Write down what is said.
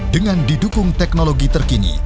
dengan didukung teknologi terkini